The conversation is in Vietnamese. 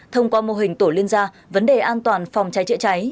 thông qua mô hình tổ liên gia vấn đề an toàn phòng cháy chữa cháy